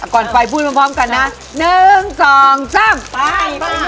ก่อนไปพูดพร้อมพร้อมกันน่ะหนึ่งสองสามไปป่าป่า